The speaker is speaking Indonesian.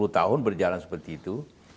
tiga puluh tahun berjalan seperti itu